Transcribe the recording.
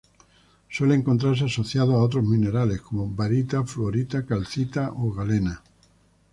Suele encontrarse asociado a otros minerales como: barita, fluorita, calcita o galena.